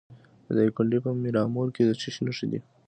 د دایکنډي په میرامور کې د څه شي نښې دي؟